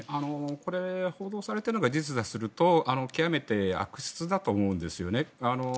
これ、報道されているのが事実だとすると極めて悪質だと思うんですよね。